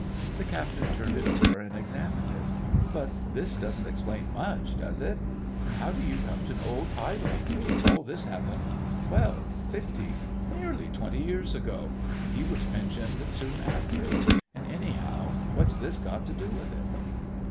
The Captain turned it over and examined it. "But this doesn't explain much, does it? And how do you come to know old Tyelake? All this happened twelve—fifteen—nearly twenty years ago, and he was pensioned soon after. And anyhow, what's this got to do with it?"